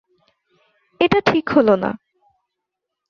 এটা ঠিক হলো না!